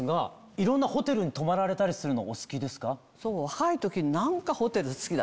いろんなホテルに泊まられるのお好きですか？